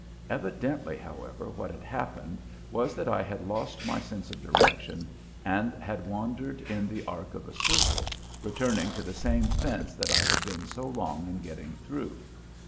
Evidently, however, what had happened was that I had lost my sense of direction and had wandered in the arc of a circle, returning to the same fence that I had been so long in getting through.